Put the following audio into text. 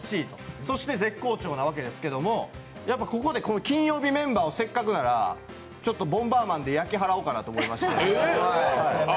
そして絶好調なわけですけどここで金曜日メンバーをせっかくなのでちょっと「ボンバーマン」で焼き払おうかなと思いまして。